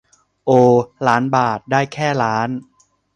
โอ ล้านบาท ได้แค่ ล้าน